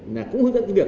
nó cũng hướng dẫn cái việc